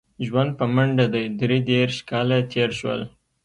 ژوند په منډه دی درې دېرش کاله تېر شول.